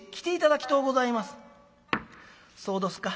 「そうどすか。